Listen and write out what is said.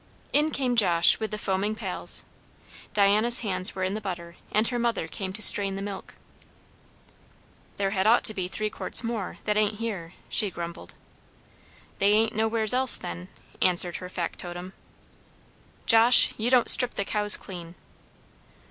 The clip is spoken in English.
In came Josh with the foaming pails. Diana's hands were in the butter, and her mother came to strain the milk. "There had ought to be three quarts more, that ain't here," she grumbled. "They ain't nowheres else, then," answered her factotum. "Josh, you don't strip the cows clean."